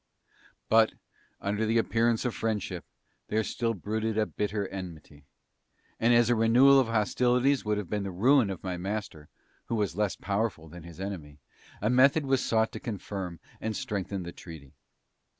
But, under an appearance of friendship, there still brooded a bitter enmity; and as a renewal of hostilities would have been the ruin of my master, who was less powerful than his enemy, a method was sought to confirm and strengthen the Treaty.